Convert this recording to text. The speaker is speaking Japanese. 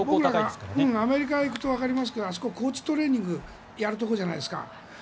アメリカに行くと分かりますが高地トレーニングをやるところじゃないですか。